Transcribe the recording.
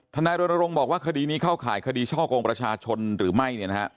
ท่านายรณรงค์บอกว่าคดีนี้เข้าขายคดีช่อกองประชาชนหรือไม่เนี่ยนะฮะ